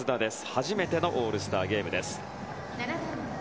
初めてのオールスターゲームです。